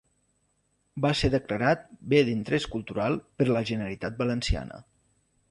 Va ser declarat Bé d'Interés Cultural per la Generalitat Valenciana.